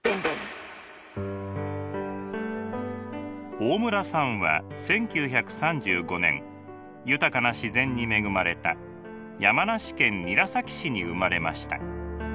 大村さんは１９３５年豊かな自然に恵まれた山梨県韮崎市に生まれました。